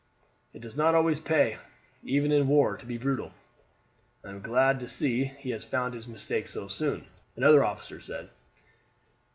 "It does not always pay even in war to be brutal. I am glad to see he has found out his mistake so soon," another officer said.